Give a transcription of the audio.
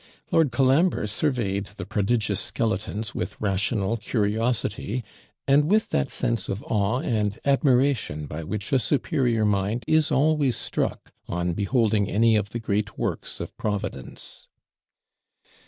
Lord Colambre surveyed the prodigious skeletons with rational curiosity, and with that sense of awe and admiration, by which a superior mind is always struck on beholding any of the great works of Providence.